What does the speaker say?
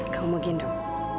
kamu mau gendong